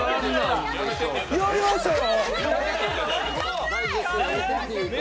やりましたよ。